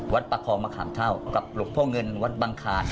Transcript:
ประคองมะขามเท่ากับหลวงพ่อเงินวัดบังขาด